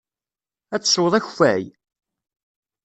Ad teswed akeffay?